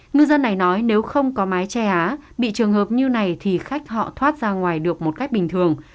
ngư dân này nói nếu không có mái tre á bị trường hợp như này thì khách họ thoát ra ngoài được một cách bình thường